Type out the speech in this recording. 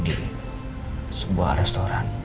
di sebuah restoran